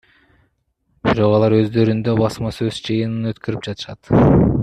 Бирок алар өздөрүндө басма сөз жыйынын өткөрүп жатышат.